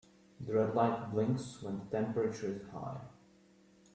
The red light blinks when the temperature is high.